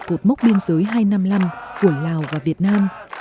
cột mốc biên giới hai trăm năm mươi năm của lào và việt nam